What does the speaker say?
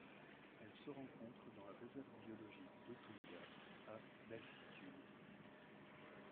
Elle se rencontre dans la réserve biologique d'Otonga à d'altitude.